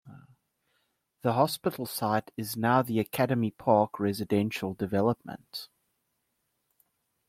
The hospital site is now the Academy Park residential development.